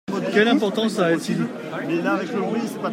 Quelle importance ça a-t-il ?